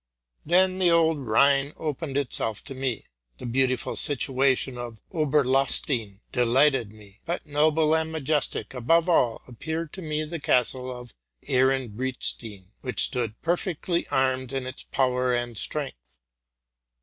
Then the old Rhine opened itself upon me; the beautiful situation of Oberlahnstein de lighted me ; but noble and majestic above all appeared to me the castle Ehrenbreitstein, which stood perfectly armed in its power and strength.